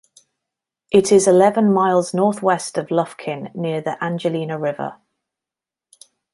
It is eleven miles northwest of Lufkin near the Angelina River.